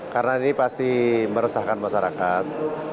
karena ini pasti meresahkan masyarakat